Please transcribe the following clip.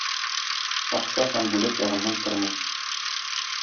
Акча һәм бүләк ягыннан тормый.